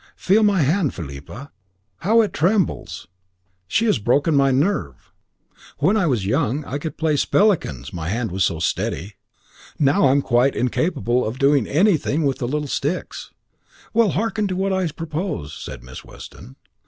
Feel my hand, Philippa, how it trembles. She has broken my nerve. When I was young I could play spellikins my hand was so steady. Now I am quite incapable of doing anything with the little sticks." "Well, hearken to what I propose," said Miss Weston.